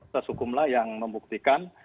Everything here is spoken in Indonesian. sesukumlah yang membuktikan